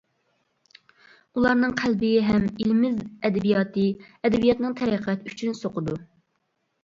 ئۇلارنىڭ قەلبى ھەم ئىلىمىز ئەدەبىياتى، ئەدەبىياتنىڭ تەرەققىياتى ئۈچۈن سوقىدۇ.